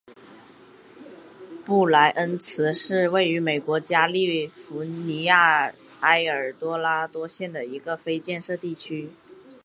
布赖恩茨是位于美国加利福尼亚州埃尔多拉多县的一个非建制地区。